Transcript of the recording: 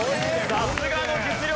さすがの実力。